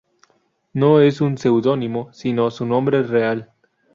No es un seudónimo sino su nombre real.